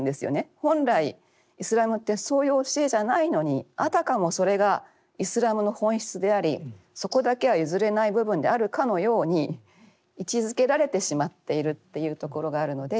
本来イスラムってそういう教えじゃないのにあたかもそれがイスラムの本質でありそこだけは譲れない部分であるかのように位置づけられてしまっているというところがあるので。